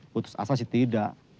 putus asa sih tidak